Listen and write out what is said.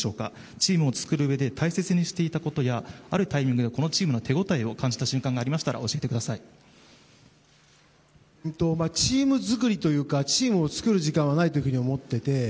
チームを作るうえで大切にしていたことやあるタイミングでこのチームの手応えを感じたチーム作りというかチームを作る時間はないと思っていて。